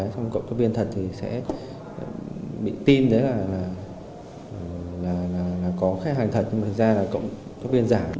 tổng tác viên thật sẽ bị tin là có khách hàng thật nhưng thực ra là tổng tác viên giả